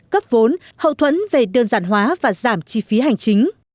cấp vốn hậu thuẫn về đơn giản hóa và giảm chi phí hành chính